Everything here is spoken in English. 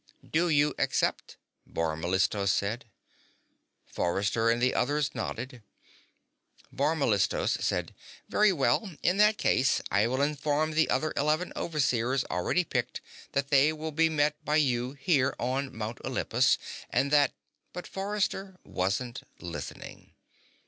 "Do you accept?" Bor Mellistos said. Forrester and the others nodded. Bor Mellistos said: "Very well. In that case, I will inform the other eleven Overseers already picked that they will be met by you here, on Mount Olympus, and that " But Forrester wasn't listening.